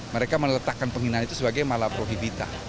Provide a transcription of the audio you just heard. mereka meletakkan penghinaan itu sebagai malah prohibita